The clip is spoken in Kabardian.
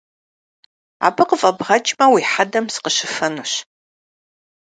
Абы къыфӏэбгъэкӏмэ уи хьэдэм сыкъыщыфэнущ!